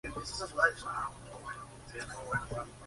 Su nombre actual se debe al escritor León Tolstói.